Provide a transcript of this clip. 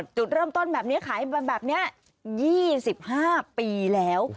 จุดเริ่มต้นแบบนี้ขายมาแบบนี้๒๕ปีแล้ว